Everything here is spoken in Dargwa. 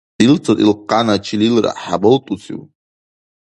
Илцад ил къяна чилилра хӀебалтӀусив?